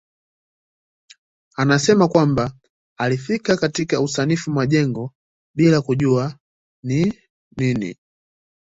Anasema kwamba alifika katika usanifu majengo bila kujua ni nini.